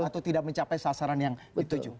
atau tidak mencapai sasaran yang dituju